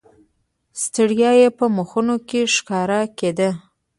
ستړیا یې په مخونو کې ښکاره کېده.